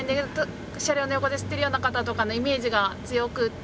車両の横で吸ってるような方とかのイメージが強くって。